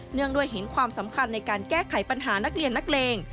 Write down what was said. งด้วยเห็นความสำคัญในการแก้ไขปัญหานักเรียนนักเลง